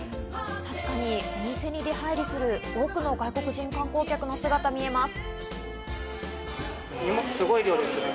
確かにお店に出入りする多くの外国人観光客の姿が見えます。